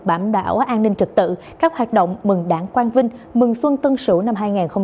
bảm đảo an ninh trực tự các hoạt động mừng đảng quang vinh mừng xuân tân sủ năm hai nghìn hai mươi một